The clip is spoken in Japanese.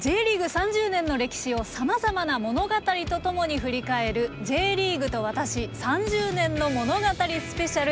３０年の歴史をさまざまな物語とともに振り返る「Ｊリーグと私３０年の物語スペシャル」